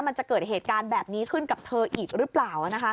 มันจะเกิดเหตุการณ์แบบนี้ขึ้นกับเธออีกหรือเปล่า